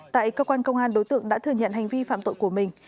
tại cơ quan công an đối tượng đã thừa nhận hành vi phạm tội của mình